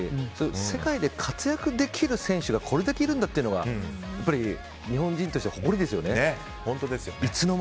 世界で活躍できる選手がこれだけいるんだというのがやっぱり日本人として誇りですよね。